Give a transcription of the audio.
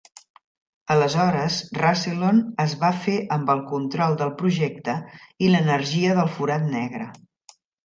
Aleshores, Rassilon es va fer amb el control del projecte i l'energia del forat negre.